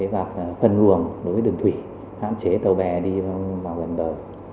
và phân luồng đối với đường thủy hạn chế tàu bè đi vào gần bờ